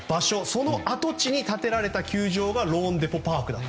その跡地に建てられた球場がローンデポ・パークだと。